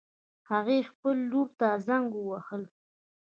هغې خپل لور ته زنګ ووهله